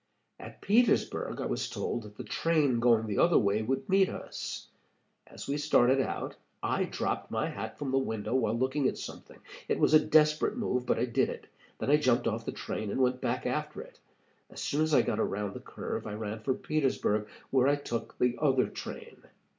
"At Petersburg I was told that the train going the other way would meet us. As we started out, I dropped my hat from the window while looking at something. It was a desperate move, but I did it. Then I jumped off the train, and went back after it. As soon as I got around the curve I ran for Petersburg, where I took the other train.